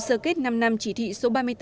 sơ kết năm năm chỉ thị số ba mươi bốn